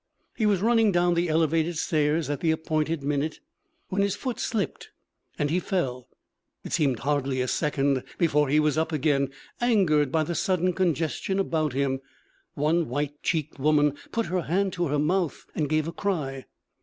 He was running down the Elevated stairs at the appointed minute, when his foot slipped and he fell. It seemed hardly a second before he was up again, angered by the sudden congestion about him. One white cheeked woman put her hand to her mouth and gave a cry.